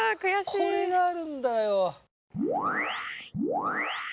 これがあるんだよ。